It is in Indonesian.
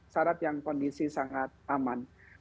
syarat yang kondisi sangat aman